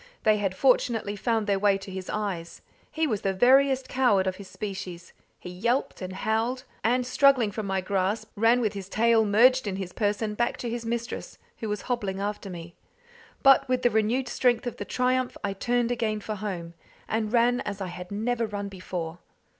They had fortunately found their way to his eyes. He was the veriest coward of his species. He yelped and howled, and struggling from my grasp ran with his tail merged in his person back to his mistress, who was hobbling after me. But with the renewed strength of triumph I turned again for home, and ran as I had never run before.